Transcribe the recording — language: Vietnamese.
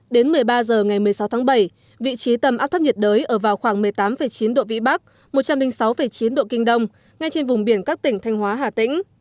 đến một mươi ba h ngày một mươi sáu tháng bảy vị trí tâm áp thấp nhiệt đới ở vào khoảng một mươi tám chín độ vĩ bắc một trăm linh sáu chín độ kinh đông ngay trên vùng biển các tỉnh thanh hóa hà tĩnh